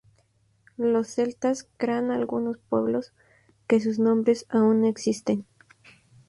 Los celtas crean algunos pueblos, que sus nombres aún hoy existen.